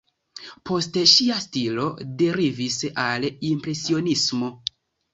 Poste ŝia stilo derivis al impresionismo.